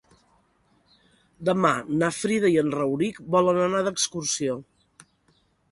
Demà na Frida i en Rauric volen anar d'excursió.